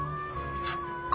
そっか。